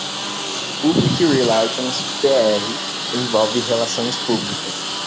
Public Relations (PR) envolve relações públicas.